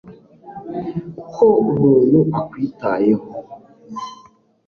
ko umuntu akwitayeho